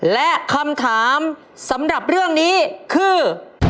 และคำถามสำหรับเรื่องนี้คือ